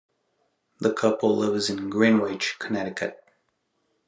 The couple lives in Greenwich, Connecticut.